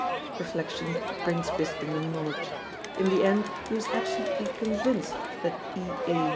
Reflection brings wisdom and knowledge. In the end he was absolutely convinced that E.A.